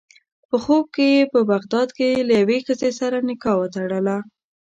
په خوب کې یې په بغداد کې له یوې ښځې سره نکاح وتړله.